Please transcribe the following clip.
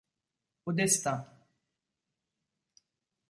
Au destin.